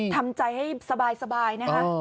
ทำใจให้สบายนะคะ